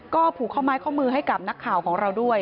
ก็ผูกข้อไม้ข้อมือให้กับนักข่าวของเราด้วย